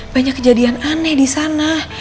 banyak kejadian aneh disana